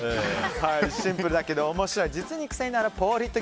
シンプルだけど面白い実にくせになるポールヒット